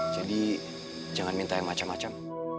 jadi jangan minta yang macam macam